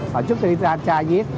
hồi trước thì ra cha viết